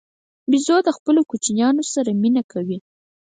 بیزو د خپلو کوچنیانو سره مینه کوي.